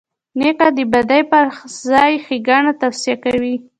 نیکه د بدۍ پر ځای ښېګڼه توصیه کوي.